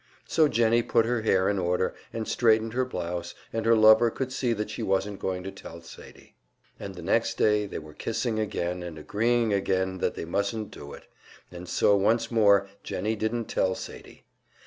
So Jennie put her hair in order, and straightened her blouse, and her lover could see that she wasn't going to tell Sadie. And the next day they were kissing again and agreeing again that they mustn't do it; and so once more Jennie didn't tell Sadie.